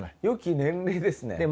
よき年齢ですね。